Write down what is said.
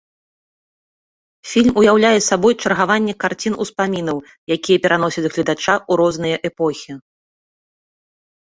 Фільм уяўляе сабой чаргаванне карцін-успамінаў, якія пераносяць гледача ў розныя эпохі.